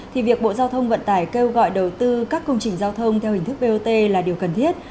thì việc bộ giao thông vận tải kêu gọi đầu tư các công trình giao thông theo hình thức bot là điều cần thiết